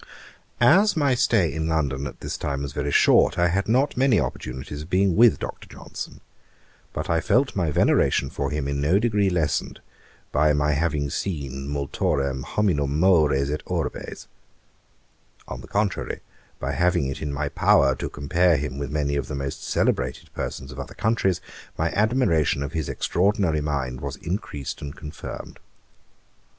As my stay in London at this time was very short, I had not many opportunities of being with Dr. Johnson; but I felt my veneration for him in no degree lessened, by my having seen mullorum hominum mores et urbes. On the contrary, by having it in my power to compare him with many of the most celebrated persons of other countries, my admiration of his extraordinary mind was increased and confirmed.